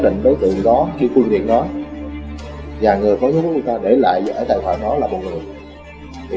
định đối tượng đó khi quân điện đó và người có chúng ta để lại ở tại họ nó là một người thì